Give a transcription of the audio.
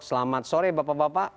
selamat sore bapak bapak